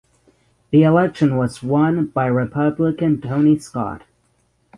The election was won by Republican Tony Scott.